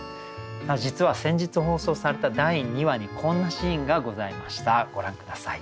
実は先日放送された第２話にこんなシーンがございましたご覧下さい。